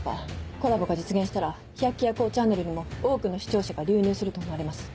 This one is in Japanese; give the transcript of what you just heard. コラボが実現したら『百鬼夜行ちゃんねる』にも多くの視聴者が流入すると思われます。